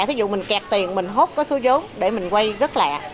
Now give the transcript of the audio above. thí dụ mình kẹt tiền mình hốt có số vốn để mình quay rất lẹ